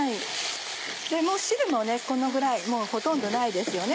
汁もこのぐらいもうほとんどないですよね。